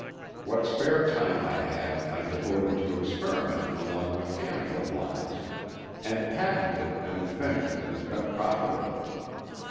What spare time I had I devoted to experimenting along mechanical lines, and patented an invention that has been profitable.